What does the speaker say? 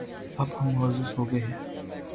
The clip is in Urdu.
اب ہم معزز ہو گئے ہیں